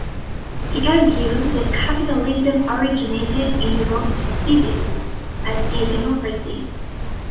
He argued that capitalism originated in Europe's cities, as did democracy.